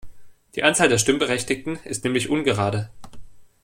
Die Anzahl der Stimmberechtigten ist nämlich ungerade.